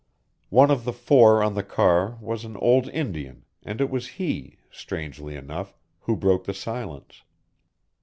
One of the four on the car was an old Indian and it was he, strangely enough, who broke the silence.